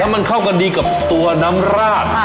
มันเข้ากันดีกับตัวน้ำราด